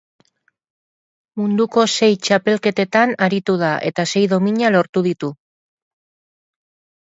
Munduko sei txapelketetan aritu da, eta sei domina lortu ditu.